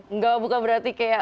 enggak buka berarti kayak